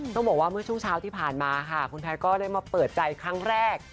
ต้องบอกว่าเมื่อช่วงเช้าที่ผ่านมาค่ะคุณแพทย์ก็ได้มาเปิดใจครั้งแรก